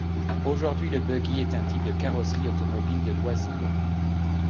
Aujourd'hui le buggy est un type de carrosserie automobile de loisirs.